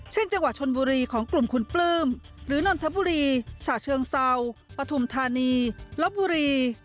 จังหวัดชนบุรีของกลุ่มคุณปลื้มหรือนนทบุรีฉะเชิงเซาปฐุมธานีลบบุรี